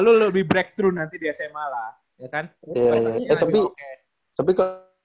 lu lebih breakthroug nanti di sma lah